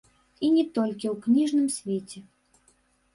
І не толькі ў кніжным свеце.